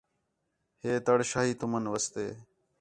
ہے تڑ شاہی تُمن واسطے